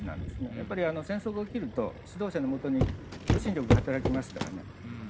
やっぱり、戦争が起きると指導者のもとに求心力が働きますからね。